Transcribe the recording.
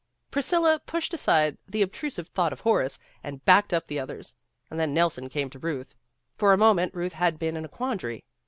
Priscilla pushed aside the obtrusive thought of Horace, and backed up the others. And then Nelson came to Euth. For a moment Euth had been in a quandary.